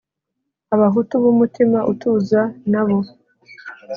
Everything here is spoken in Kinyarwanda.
abahutu b’umutima utuza nabo